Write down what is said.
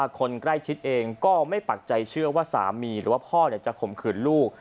คนใกล้ชิดเองก็ไม่ปักใจเชื่อว่าสามีหรือว่าพ่อจะข่มขืนลูก